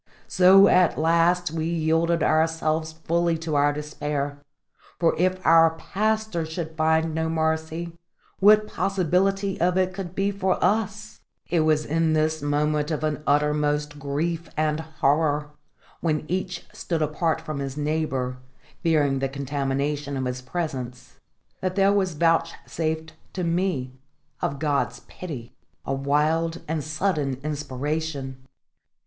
So at last we yielded ourselves fully to our despair; for if our pastor should find no mercy, what possibility of it could be for us! It was in this moment of an uttermost grief and horror, when each stood apart from his neighbour, fearing the contamination of his presence, that there was vouchsafed to me, of God's pity, a wild and sudden inspiration.